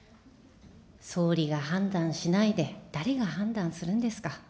総理が判断しないで、誰が判断するんですか。